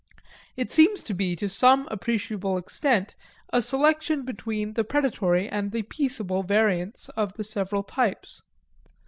It seems to be to some appreciable extent a selection between the predatory and the peaceable variants of the several types.